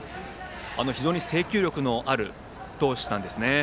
非常に制球力のある投手ですね。